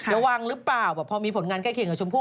ระวังหรือเปล่าแบบพอมีผลงานใกล้เคียงกับชมพู